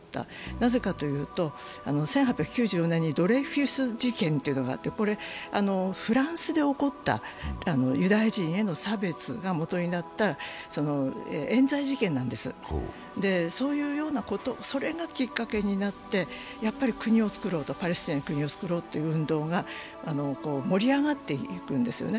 なぜかというと、１８９４年にドレフュス事件というのがあって、フランスで起こったユダヤ人への差別がもとになったえん罪事件なんです、それがきっかけになってやっぱり国を作ろう、パレスチナに国を作ろうという運動が盛り上がっていくんですね。